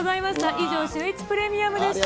以上、シューイチプレミアムでした。